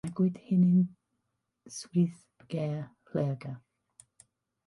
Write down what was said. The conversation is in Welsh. Magwyd hi yn Swydd Gaer, Lloegr.